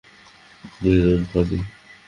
Main are funny.